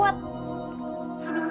yang sangat mencintai kamu